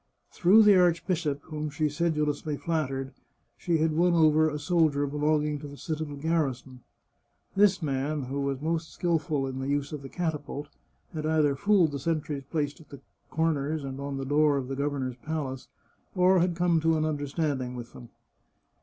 Through the archbishop, whom she sedulously flattered, she had won over a soldier belonging to the citadel garrison. This man, who was most skilful in the use of the catapult, had either fooled the sentries placed at the corners and on the door of the governor's palace, or had come to an under standing with them.